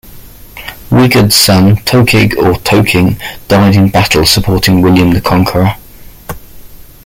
Wigod's son, Tokig or Toking, died in battle supporting William the Conqueror.